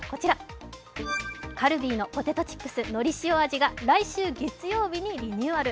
カルビーのポテトチップスのりしお味が来週月曜日にリニューアル。